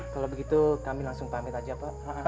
kalau begitu kami langsung pamit aja pak